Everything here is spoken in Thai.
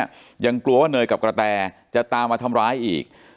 ยังกลัวว่าเนยกับกระแตจะตามมาทำร้ายอีก